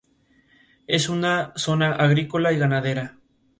Otro local emblemático, "La Belle Pop", sigue abierta, pero bajo otro nombre.